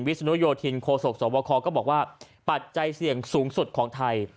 ศนุโยธินโคศกสวบคก็บอกว่าปัจจัยเสี่ยงสูงสุดของไทย